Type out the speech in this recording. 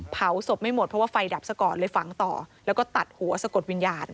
เผาศพไม่หมดเพราะว่าไฟดับซะก่อนเลยฝังต่อแล้วก็ตัดหัวสะกดวิญญาณ